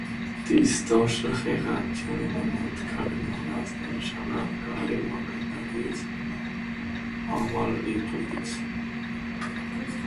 Դիստորշնը խեղաթյուրում է մուտքագրման ազդանշանը, անկախ իր մակարդակից (ամպլիտուդից)։